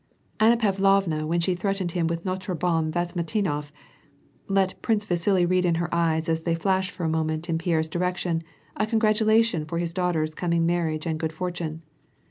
Anna Pavlovna when she threatened him with notre bon Viasmitinoff, let Prince Vasili read in her eyes as they flashed for a moment in Pierre's direction, a congratulation for his daughter's coming marriage and good fortune.